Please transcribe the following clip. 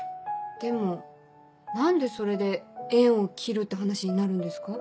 でも何でそれで縁を切るって話になるんですか？